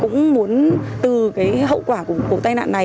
cũng muốn từ hậu quả của tài nạn này